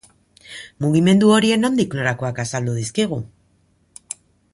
Mugimendu horien nondik-norakoak azaldu dizkigu.